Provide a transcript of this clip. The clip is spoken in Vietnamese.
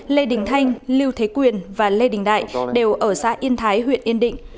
lê đình thanh lưu thế quyền và lê đình đại đều ở xã yên thái huyện yên định